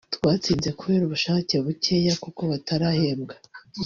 twatsinzwe kubera ubushake bukeya kuko batarahembwa"